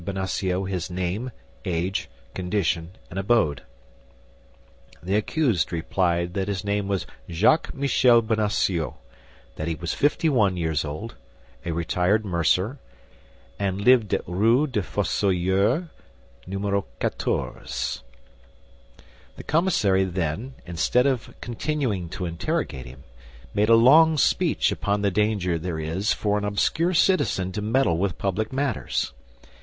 Bonacieux his name, age, condition, and abode. The accused replied that his name was Jacques Michel Bonacieux, that he was fifty one years old, a retired mercer, and lived Rue des Fossoyeurs, No. 14. The commissary then, instead of continuing to interrogate him, made him a long speech upon the danger there is for an obscure citizen to meddle with public matters.